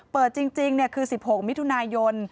จริงคือ๑๖มิถุนายน